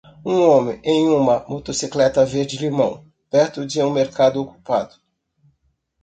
Um homem em uma motocicleta verde limão? perto de um mercado ocupado.